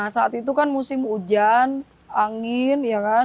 saat itu kan musim hujan angin